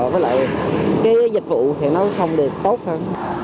với lại cái dịch vụ thì nó không được tốt hơn